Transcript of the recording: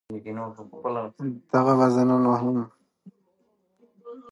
که پښتو وي، نو ښکلا به هېر نه سي.